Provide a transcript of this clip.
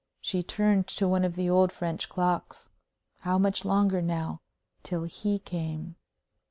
She turned to one of the old French clocks. How much longer now till he came?